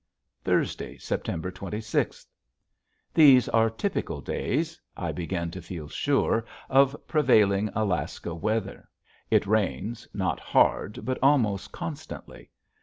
Thursday, September twenty sixth. These are typical days, I begin to feel sure, of prevailing Alaska weather. It rains, not hard but almost constantly.